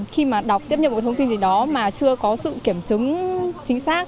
khi mà đọc tiếp nhận một thông tin gì đó mà chưa có sự kiểm chứng chính xác